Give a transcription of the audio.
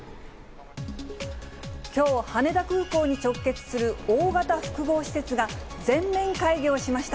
きょう、羽田空港に直結する大型複合施設が、全面開業しました。